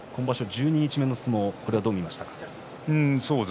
十二日目の相撲はどう見ましたか？